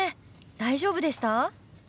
大丈夫でした？